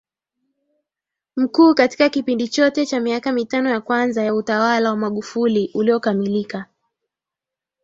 Mkuu katika kipindi chote cha miaka mitano ya kwanza ya utawala wa Magufuli uliokamilika